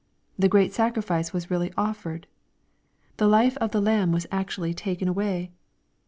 The great sacrifice was really offered. The life of the Lamb was actually taken away.